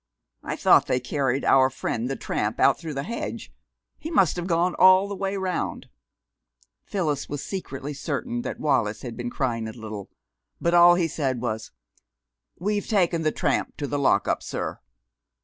I thought they carried our friend the tramp out through the hedge he must have gone all the way around." Phyllis was secretly certain that Wallis had been crying a little, but all he said was, "We've taken the tramp to the lock up, sir."